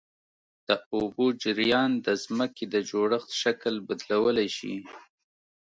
د اوبو جریان د ځمکې د جوړښت شکل بدلولی شي.